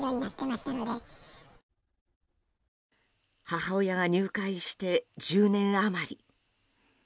母親が入会して１０年余り。